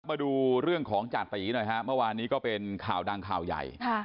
มาดูเรื่องของจาติหน่อยฮะเมื่อวานนี้ก็เป็นข่าวดังข่าวใหญ่